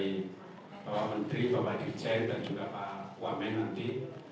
bapak menteri bapak dijen dan juga pak wame nanti